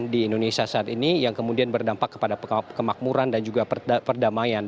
di indonesia saat ini yang kemudian berdampak kepada kemakmuran dan juga perdamaian